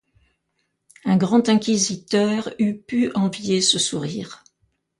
Un grand inquisiteur eût pu envier ce sourire.